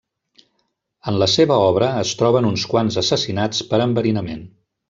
En la seva obra es troben uns quants assassinats per enverinament.